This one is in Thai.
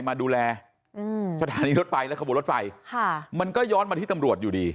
มาดูแลอืมสถานีรถไฟและขบวนรถไฟค่ะมันก็ย้อนมาที่ตำรวจอยู่ดี